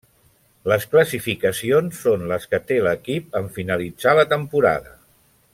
Les classificacions són les que té l'equip en finalitzar la temporada.